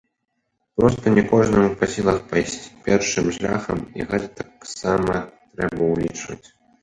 Проста не кожнаму па сілах пайсці першым шляхам і гэта таксама трэба ўлічваць.